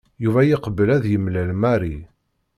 Yuba yeqbel ad yemlal Mary.